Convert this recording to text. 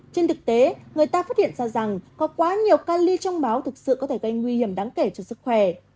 trên thực tế người ta phát hiện ra rằng có quá nhiều ca ly trong máu thực sự có thể gây nguy hiểm đáng kể cho sức khỏe